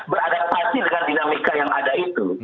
beradaptasi dengan dinamika yang ada itu